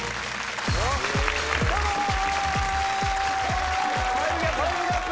どうもー。